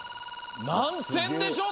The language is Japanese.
何点でしょう？